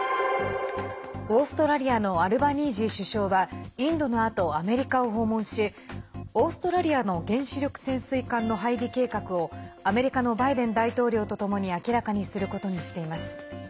オーストラリアのアルバニージー首相はインドのあとアメリカを訪問しオーストラリアの原子力潜水艦の配備計画をアメリカのバイデン大統領とともに明らかにすることにしています。